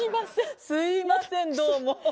すみませんどうも。